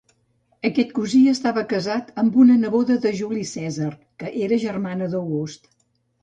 Aquest cosí estava casat amb una neboda de Juli Cèsar, que era germana d'August.